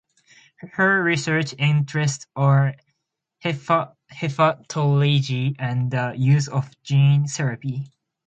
Her research interests are hepatology and the use of gene therapy.